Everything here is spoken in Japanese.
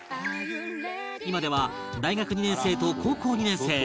今では大学２年生と高校２年生